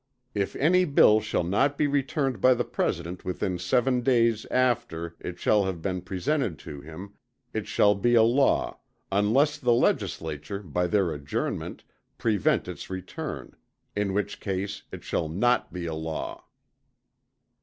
If any bill shall not be returned by the President within seven days after it shall have been presented to him, it shall be a law, unless the Legislature, by their adjournment, prevent its return; in which case it shall not be a law.